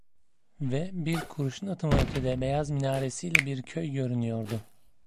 Ve bir kurşun atımı ötede beyaz minaresiyle bir köy görünüyordu.